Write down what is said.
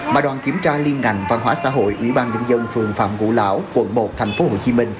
mà đoàn kiểm tra liên ngành văn hóa xã hội ủy ban nhân dân phường phạm ngũ lão quận một tp hcm